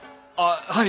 はい！